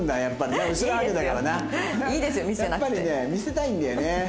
やっぱりね見せたいんだよね。